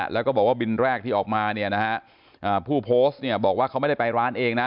แล้วก็บอกว่าบินแรกที่ออกมาเนี่ยนะฮะผู้โพสต์เนี่ยบอกว่าเขาไม่ได้ไปร้านเองนะ